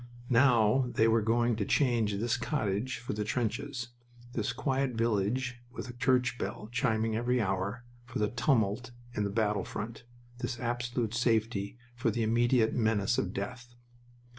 Now they were going to change this cottage for the trenches, this quiet village with a church bell chiming every hour, for the tumult in the battle front this absolute safety for the immediate menace of death.